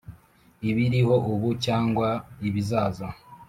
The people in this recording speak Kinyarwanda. ibiriho ubu cyangwa ibizaza